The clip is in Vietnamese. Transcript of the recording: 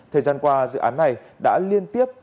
thời gian qua dự án này đã liên tiếp